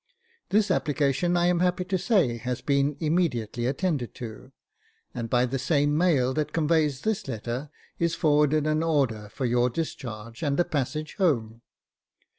This application, I am happy to say, has been immediately attended to, and by the same mail that conveys this letter is forwarded an order for your discharge and a passage home.